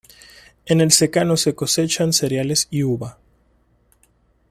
En el secano se cosechan cereales y uva.